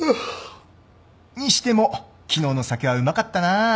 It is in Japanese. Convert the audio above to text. にしても昨日の酒はうまかったな。